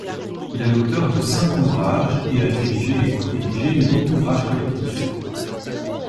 Il est l’auteur de cinq ouvrages et a dirigé et co-dirigé huit ouvrages collectifs.